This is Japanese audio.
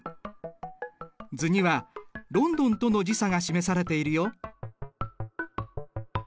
図にはロンドンとの時差が示されているよ。